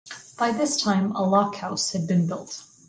By this time a lock house had been built.